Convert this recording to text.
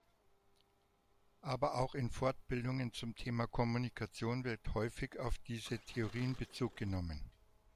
Aber auch in Fortbildungen zum Thema Kommunikation wird häufig auf diese Theorien Bezug genommen.